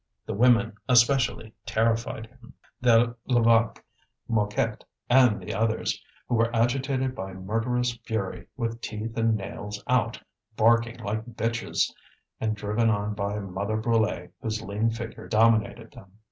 The women, especially, terrified him the Levaque, Mouquette, and the others who were agitated by murderous fury, with teeth and nails out, barking like bitches, and driven on by Mother Brulé, whose lean figure dominated them.